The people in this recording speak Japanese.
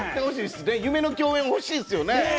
夢の共演ほしいですよね。